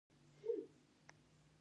د تربيت فقدان د دوي پۀ لب و لهجه کښې